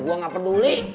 gue gak peduli